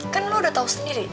kan lo udah tau sendiri